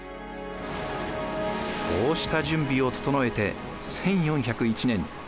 こうした準備を整えて１４０１年。